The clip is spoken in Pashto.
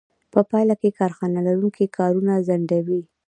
په پایله کې کارخانه لرونکي کارونه ځنډوي